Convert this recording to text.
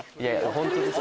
本当です。